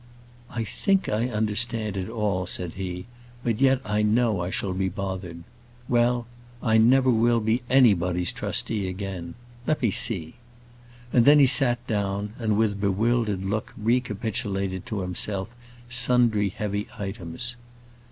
"I think I understand it all," said he; "but yet I know I shall be bothered. Well, I never will be anybody's trustee again. Let me see!" and then he sat down, and with bewildered look recapitulated to himself sundry heavy items.